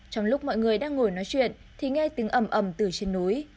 trong lúc mọi người đang ngồi nói chuyện thì nghe tiếng ẩm từ trên núi